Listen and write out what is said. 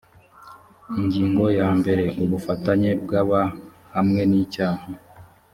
ingingo ya mbarea ubufatanye bw’abahamwe icyaha